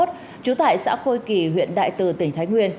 trú tại xã khôi kỳ huyện đại từ tỉnh thái nguyên